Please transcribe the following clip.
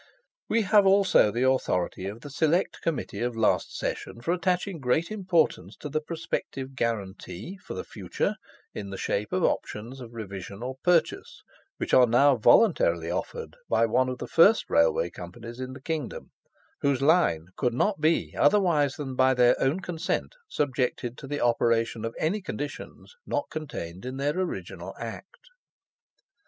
We have also the authority of the Select Committee of last Session for attaching great importance to the prospective guarantee, for the future, in the shape of options of revision or purchase, which are now voluntarily offered by one of the first Railway Companies in the kingdom, whose line could not be, otherwise than by their own consent, subjected to the operation of any conditions not contained in their original Act.